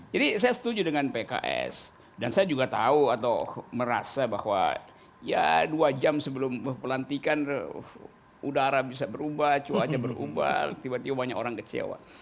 jadi saya setuju dengan pks dan saya juga tahu atau merasa bahwa ya dua jam sebelum pelantikan udara bisa berubah cuacanya berubah tiba tiba banyak orang kecewa